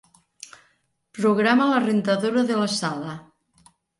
Programa la rentadora de la sala.